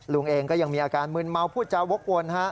ลุงเองก็ยังมีอาการมืนเมาพูดจาวกวน